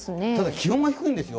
気温が低いんですよ。